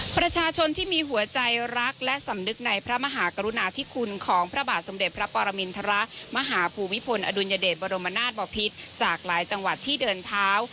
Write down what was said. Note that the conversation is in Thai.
ประชาชนที่มีหัวใจรักและสำนึกในพระมหากรุณาธิคุณของพระบาทสมเด็จพระปรมินทรมาหาภูมิพลอดุลยเดชบรมนาศบอพิษจากหลายจังหวัดที่เดินเท้า